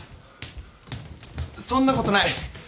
そんなことない。